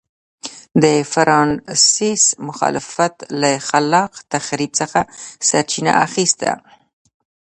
د فرانسیس مخالفت له خلاق تخریب څخه سرچینه اخیسته.